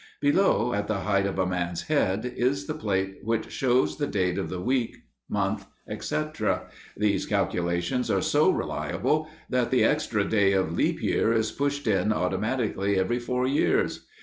Below, at the height of a man's head, is the plate which shows the day of the week, month, etc.; these calculations are so reliable that the extra day of leap year is pushed in automatically every four years.